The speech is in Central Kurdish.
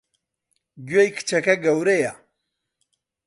گوێی کچەکە گەورەیە!